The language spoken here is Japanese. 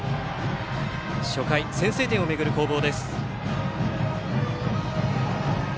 初回、先制点を巡る攻防。